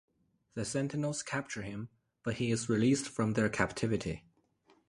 The Sentinels capture him, but he is released from their captivity.